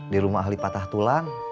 di rumah ahli patah tulang